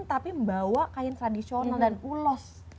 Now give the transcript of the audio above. tapi membawa kain tradisional dan ulos